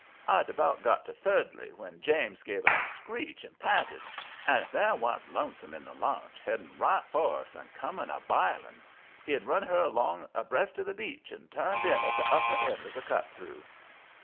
I'd about got to thirdly when James give a screech and p'inted. And, if there wa'n't Lonesome in the launch, headed right for us, and coming a b'iling! He'd run her along abreast of the beach and turned in at the upper end of the Cut Through.